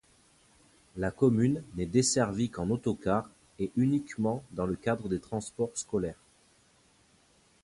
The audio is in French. La commune n'est desservie qu'en autocar et uniquement dans le cadre des transports scolaires.